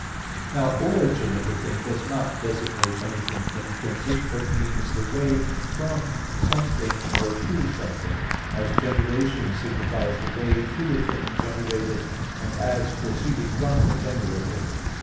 Now origin of a thing does not designate anything intrinsic, but means the way from something, or to something; as generation signifies the way to a thing generated, and as proceeding from the generator.